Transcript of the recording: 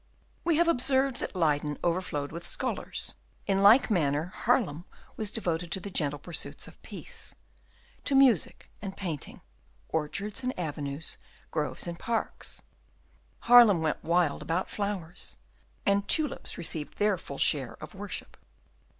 We have observed that Leyden overflowed with scholars. In like manner Haarlem was devoted to the gentle pursuits of peace, to music and painting, orchards and avenues, groves and parks. Haarlem went wild about flowers, and tulips received their full share of worship.